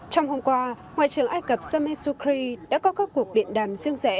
trong hôm qua ngoại trưởng ai cập samir sukri đã có các cuộc điện đàm riêng rẽ